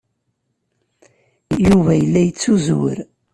Yuba yella yettuzur.